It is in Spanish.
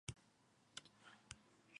Delfina Guzmán ha estado casada dos veces.